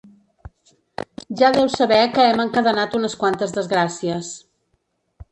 Ja deu saber que hem encadenat unes quantes desgràcies.